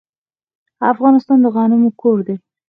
افغانستان د غنمو کور دی.